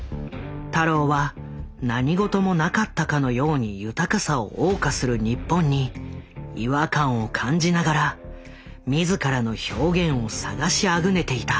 太郎は何事もなかったかのように豊かさを謳歌する日本に違和感を感じながら自らの表現を探しあぐねていた。